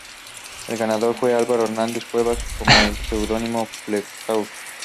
El ganador fue Álvaro Hernández Cuevas con el seudónimo "Plutarco".